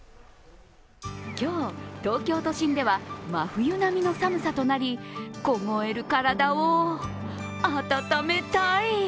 今日、東京都心では真冬並みの寒さとなり凍える体を温めたい。